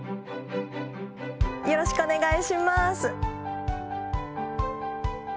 よろしくお願いします！